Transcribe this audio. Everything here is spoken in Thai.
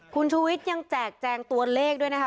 คุณชูวิทย์ยังแจกแจงตัวเลขด้วยนะคะ